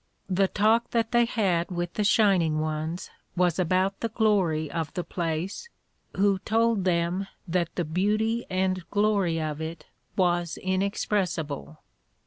The talk that they had with the Shining Ones was about the glory of the place, who told them that the beauty and glory of it was inexpressible.